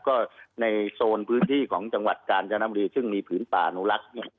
ก็ในโซนพื้นที่ของจังหวัดกาญจนบุรีซึ่งมีผืนป่านุรักษ์